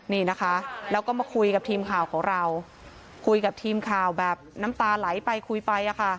นี่นะคะแล้วก็มาคุยกับทีมข่าวของเราคุยกับทีมข่าวแบบน้ำตาไหลไปคุยไปอะค่ะ